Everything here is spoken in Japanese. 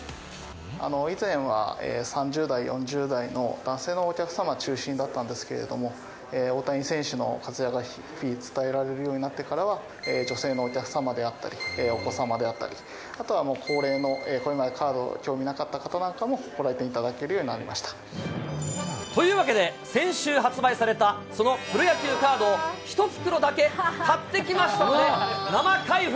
以前は３０代、４０代の男性のお客様中心だったんですけれども、大谷選手の活躍が日々伝えられるようになってからは、女性のお客様であったり、お子様であったり、あとは高齢の、これまでカード興味なかった方なんかも、ご来店いただけるようにというわけで、先週発売されたそのプロ野球カードを１袋だけ買ってきましたので、生開封。